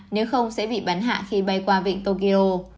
nếu không sẽ bị bắn hạ khi bay qua vịnh tokyo